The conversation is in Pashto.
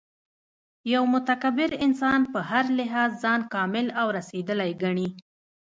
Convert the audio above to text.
یو متکبر انسان په هر لحاظ ځان کامل او رسېدلی ګڼي